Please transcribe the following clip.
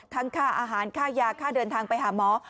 ค่าอาหารค่ายาค่าเดินทางไปหาหมอ